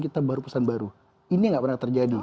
kita baru pesan baru ini nggak pernah terjadi